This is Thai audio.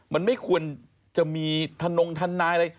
มันไม่ควรจะมีธนงทนายอะไร